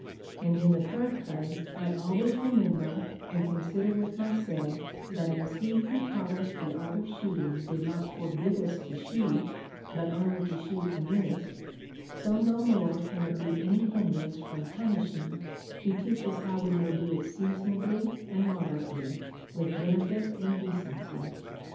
And in the third place I always remember and consider with my self, that as he who taught us the art of shooting did not forbid us to shoot, but only to shoot amiss, so no more can it be any hindrance from punishing to teach us how Ave may do it seasonably and moderately, with benefit and decency.